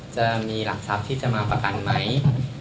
จะมีหลักทรัพย์ที่จะมาประกันไหม